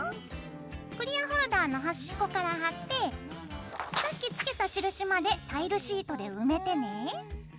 クリアホルダーの端っこから貼ってさっきつけた印までタイルシートで埋めてね。